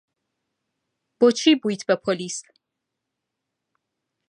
بۆچی بوویت بە پۆلیس؟